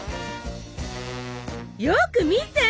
よく見て！